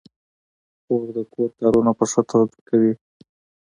خور د کور کارونه په ښه توګه کوي.